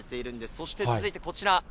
そして続いてこちら。